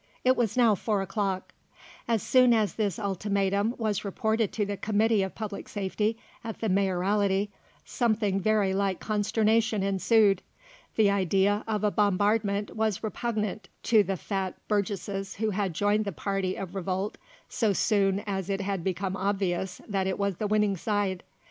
It was now four o'clock. As soon as this ultimatum was reported to the Committee of Public Safety at the Mayoralty, something very like consternation ensued. The idea of a bombardment was repugnant to the fat burgesses who had joined the party of revolt so soon as it had become obvious that it was the winning side.